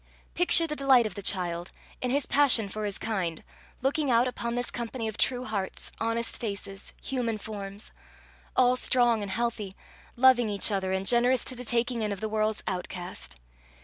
Picture the delight of the child, in his passion for his kind, looking out upon this company of true hearts, honest faces, human forms all strong and healthy, loving each other and generous to the taking in of the world's outcast!